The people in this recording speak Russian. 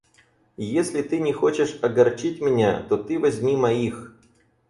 И если ты не хочешь огорчить меня, то ты возьми моих.